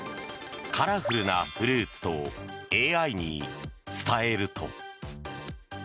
「カラフルなフルーツ」とＡＩに伝えると。